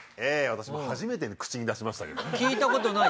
私も初めて口に出しましたけど。